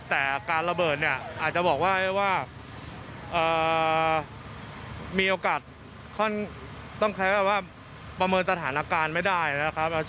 แต่การระเบิดเนี่ยอาจจะบอกได้ว่ามีโอกาสต้องใช้แบบว่าประเมินสถานการณ์ไม่ได้นะครับ